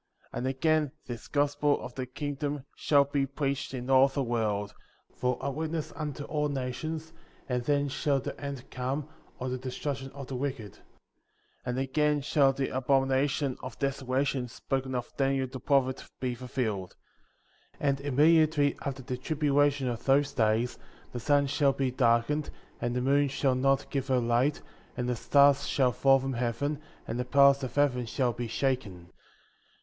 31. And again, this Gospel of the Kingdom shall be preached in all the world, for a witness unto all nations, and then shall the end come, or the destruc tion of the wicked; 32. And again shall the abomination of desola tion, spoken of by Daniel the prophet, be fulfilled. 33. And immediately after the tribulation of those days, the sun shall be darkened, and the moon shall not give her light, and the stars shall fall from heaven, and the powers of heaven shall be shaken.